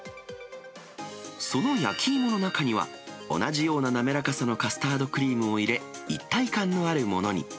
その焼き芋の中には、同じような滑らかさのカスタードクリームを入れ、一体感のあるものに。